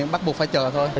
bắt buộc phải chờ thôi